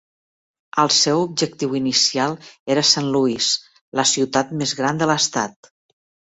El seu objectiu inicial era Saint Louis, la ciutat més gran de l'estat.